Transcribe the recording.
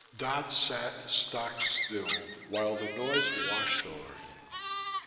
Dodd sat stock still while the noise washed over him.